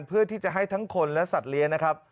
เพื่อที่จะให้ทั้งคนและสัตว์เลี้ยงนะครับ